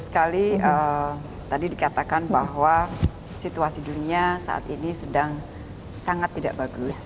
sekali tadi dikatakan bahwa situasi dunia saat ini sedang sangat tidak bagus